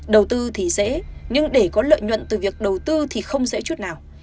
đầu tư thì dễ nhưng để có lợi nhuận từ việc đầu tư thì không dễ chút nào